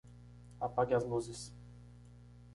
Apague as luzes.